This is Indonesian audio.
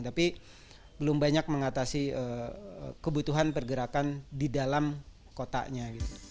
tapi belum banyak mengatasi kebutuhan pergerakan di dalam kotanya